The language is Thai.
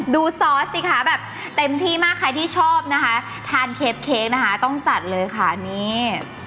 ซอสสิคะแบบเต็มที่มากใครที่ชอบนะคะทานเคปเค้กนะคะต้องจัดเลยค่ะนี่